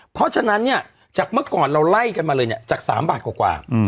เพราะฉะนั้นเนี่ยจากเมื่อก่อนเราไล่กันมาเลยเนี่ยจาก๓บาทกว่า